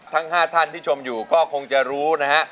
ทั้ง๕ท่านที่ชมอยู่ก็คงจะรู้นะฮะ